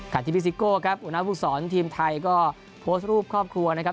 การทีมฟิซิโก้ครับอุณหภูมิสอนทีมไทยก็โพสต์รูปครอบครัวนะครับ